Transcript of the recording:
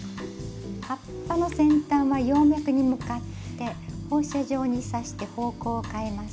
葉っぱの先端は葉脈に向かって放射状に刺して方向を変えます。